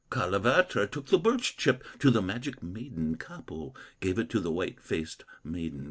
"Kalevatar took the birch chip To the magic maiden, Kapo, Gave it to the white faced maiden.